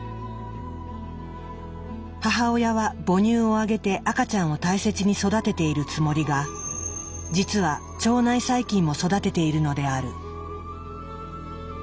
母親は母乳をあげて赤ちゃんを大切に育てているつもりが実は腸内細菌も育てているのである。